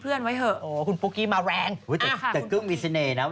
เป็นคุณยืมยา